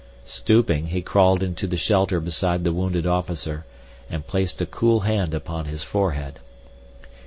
Stooping, he crawled into the shelter beside the wounded officer, and placed a cool hand upon his forehead.